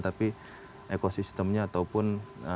tapi ekosistemnya ataupun